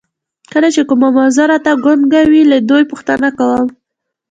کله چې کومه موضوع راته ګونګه وي له دوی پوښتنه کوم.